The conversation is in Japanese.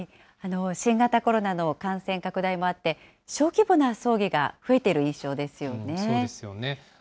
新型コロナの感染拡大もあって、小規模な葬儀が増えている印そうですよね。